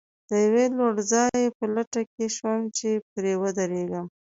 د یوه لوړ ځای په لټه کې شوم، چې پرې ودرېږم.